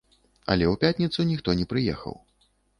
Але ў пятніцу ніхто не прыехаў.